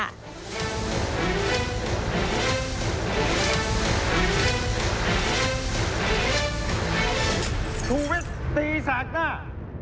ทวิสตีสากหน้า